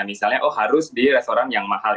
misalnya oh harus di restoran yang mahal